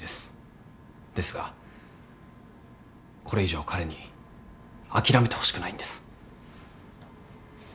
ですがこれ以上彼に諦めてほしくないんです。